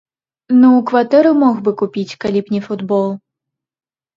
Ну, кватэру мог бы купіць, калі б не футбол.